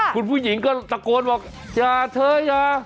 คุณผู้หญิงก็ตะโกนบอกอย่าเธออย่า